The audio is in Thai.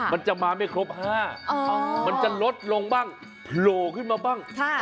มันจะมาไม่ครบ๕มันจะลดลงบ้างโผล่ขึ้นมาบ้าง